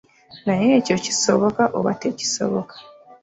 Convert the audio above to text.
Naye ekyo kisoboka oba tekisoboka?